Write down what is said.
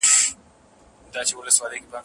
دی هم بل غوندي اخته په دې بلا سو